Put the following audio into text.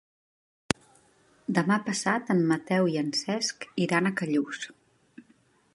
Demà passat en Mateu i en Cesc iran a Callús.